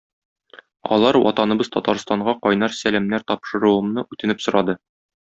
Алар Ватаныбыз Татарстанга кайнар сәламнәр тапшыруымны үтенеп сорады.